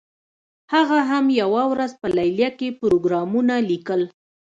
هغه هم یوه ورځ په لیلیه کې پروګرامونه لیکل